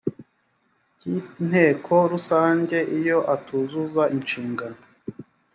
cy inteko rusange iyo atuzuza inshingano